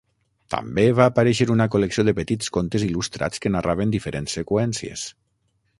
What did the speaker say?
També va aparèixer una col·lecció de petits contes il·lustrats que narraven diferents seqüències.